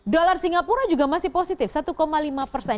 dolar singapura juga masih positif satu lima persen